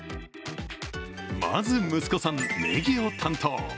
まず息子さん、ネギを担当。